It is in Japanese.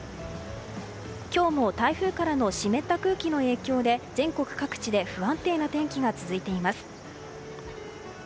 今日も台風からの湿った空気の影響で全国各地で不安定な天気が続いています。